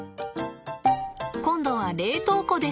今度は冷凍庫です。